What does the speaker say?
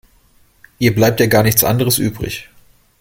Ihr bleibt ja gar nichts anderes übrig.